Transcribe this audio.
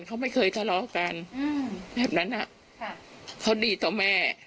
เขาไม่เคยทะเลาะกันแบบนั้นเขาดีต่อแม่